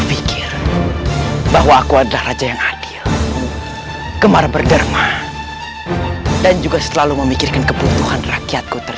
warga warga pancaran yang sangat aku banggakan